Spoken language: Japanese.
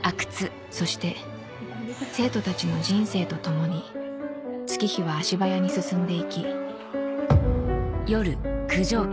そして生徒たちの人生と共に月日は足早に進んでいき